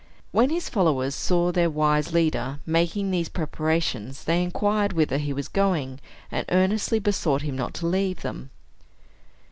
When his followers saw their wise leader making these preparations, they inquired whither he was going, and earnestly besought him not to leave them.